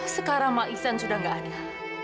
sekarang mak iksan sudah gak ada